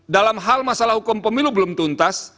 dalam hal masalah hukum pemilu belum tuntas